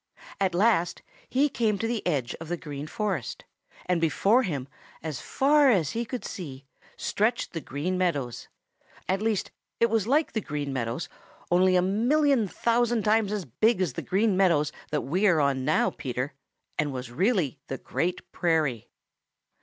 At last he came to the edge of the Green Forest, and before him, as far as he could see, stretched the Green Meadows. At least it was like the Green Meadows, only a million thousand times as big as the Green Meadows we are on now, Peter, and was really the Great Prairie.